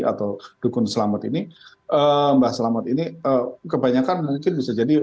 atau dukun selamet ini mbah selamet ini kebanyakan mungkin bisa jadi